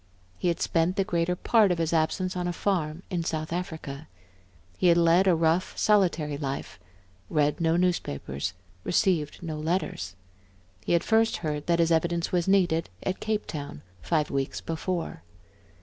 He had spent the greater part of his absence on a farm in South Africa; he had led a rough, solitary life, read no newspapers, received no letters. He had first heard that his evidence was needed at Cape town, five weeks before.